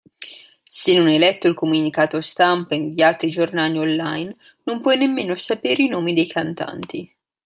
Se non hai letto il comunicato stampa inviato ai giornali online non puoi nemmeno sapere i nomi dei cantanti.